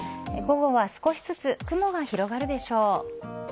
午後は少しずつ雲が広がるでしょう。